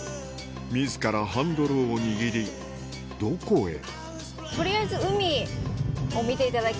自らハンドルを握りどこへ？